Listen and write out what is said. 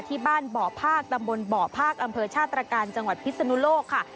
ที่บ้านบ่อภาคตำบลบ่อภาคอำเภอชาติตรการจังหวัดพิศนุโลกค่ะ